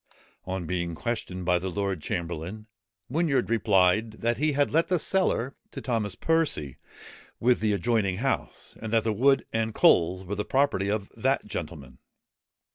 On being questioned by the lord chamberlain, Whinyard replied, that he had let the cellar to Thomas Percy, with the adjoining house, and that the wood and coals were the property of that gentleman.